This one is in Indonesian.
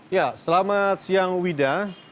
ya selamat siang wida